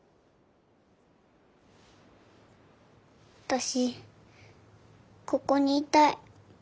私ここにいたい。